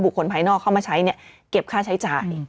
คนภายนอกเข้ามาใช้เนี่ยเก็บค่าใช้จ่าย